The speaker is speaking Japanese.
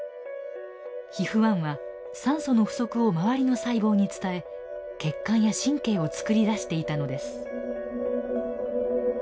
ＨＩＦ−１は酸素の不足を周りの細胞に伝え血管や神経をつくり出していたのです。